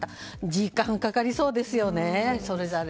時間かかりそうですよね。